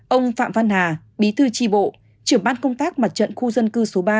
ông phạm văn hà bí thư tri bộ trưởng ban công tác mặt trận khu dân cư số ba